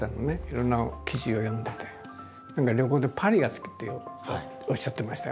いろんな記事を読んでて何か旅行でパリが好きっておっしゃってましたよね。